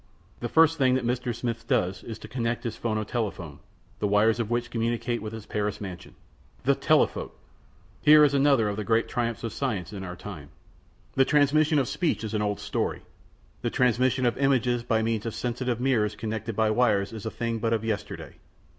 The first thing that Mr. Smith does is to connect his phonotelephote, the wires of which communicate with his Paris mansion. The telephote! Here is another of the great triumphs of science in our time. The transmission of speech is an old story; the transmission of images by means of sensitive mirrors connected by wires is a thing but of yesterday.